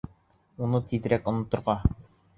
Уны тиҙерәк оноторға.